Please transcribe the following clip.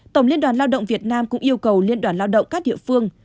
tổng liên đoàn lao động việt nam cũng yêu cầu liên đoàn lao động các địa phương